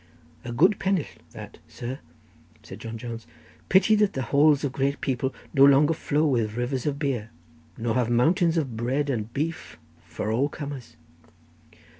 '" "A good penill that, sir," said John Jones. "Pity that the halls of great people no longer flow with rivers of beer, nor have mountains of bread and beef for all comers."